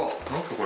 これ。